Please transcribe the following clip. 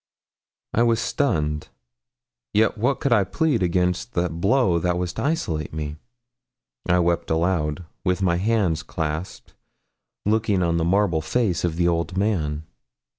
I was stunned; yet what could I plead against the blow that was to isolate me? I wept aloud, with my hands clasped, looking on the marble face of the old man.